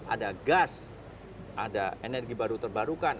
ada gas ada energi baru terbarukan